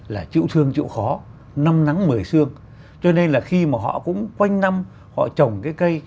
là chịu thương chịu khó năm nắng mười sương cho nên là khi mà họ cũng quanh năm họ trồng cái cây